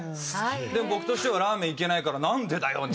でも僕としてはラーメン行けないから「なんでだよ！」に。